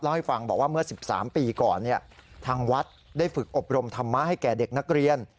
ให้ฟังบอกว่าเมื่อ๑๓ปีก่อนทางวัดได้ฝึกอบรมธรรมะให้แก่เด็กนักเรียน